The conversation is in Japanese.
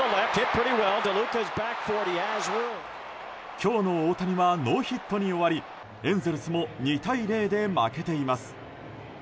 今日の大谷はノーヒットに終わりエンゼルスも２対０で負けています。